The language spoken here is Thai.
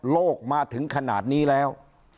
มาถึงขนาดนี้แล้ว